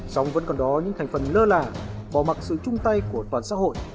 xong vẫn còn đó những thành phần lơ là bỏ mặc sự chung tay của toàn xã hội